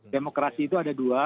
demokrasi itu ada dua